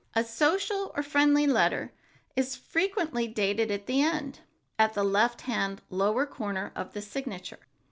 A social or friendly letter is frequently dated at the end, at the left hand lower corner of the signature.